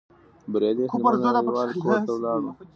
د بریالي هلمند انډیوال کور ته ولاړو.